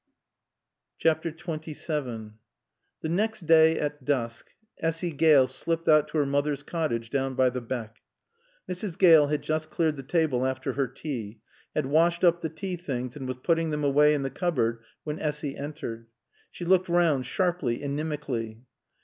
XXVII The next day at dusk, Essy Gale slipped out to her mother's cottage down by the beck. Mrs. Gale had just cleared the table after her tea, had washed up the tea things and was putting them away in the cupboard when Essy entered. She looked round sharply, inimically.